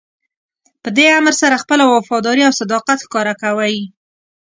په دې امر سره خپله وفاداري او صداقت ښکاره کوئ.